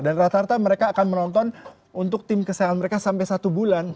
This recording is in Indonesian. dan rata rata mereka akan menonton untuk tim kesehatan mereka sampai satu bulan